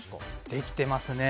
できていますね。